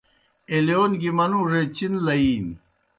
ایلِیون گیْ منُوڙے چِن لئِینیْ۔